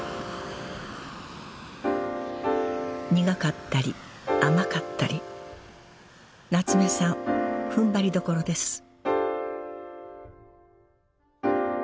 苦かったり甘かったり夏目さんふんばりどころです